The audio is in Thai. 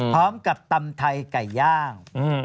พร้อมกับตำไทยไก่ย่าง